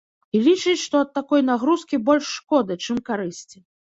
І лічыць, што ад такой нагрузкі больш шкоды, чым карысці.